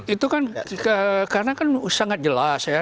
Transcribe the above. itu kan karena kan sangat jelas ya